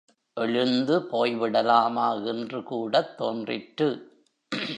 எழுந்து போய்விடலாமா என்று கூடத் தோன்றிற்று.